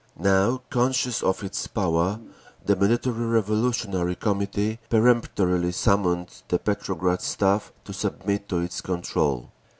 Now conscious of its power, the Military Revolutionary Committee peremptorily summoned the Petrograd Staff to submit to its control.